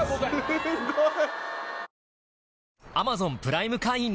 すっごい！